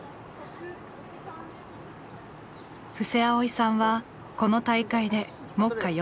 布施蒼依さんはこの大会で目下４連覇中。